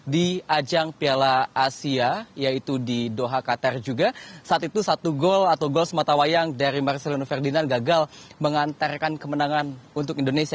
di ajang piala asia yaitu di doha qatar juga saat itu satu gol atau gol sematawayang dari marcelino ferdinand gagal mengantarkan kemenangan untuk indonesia